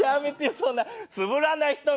そんなつぶらな瞳で。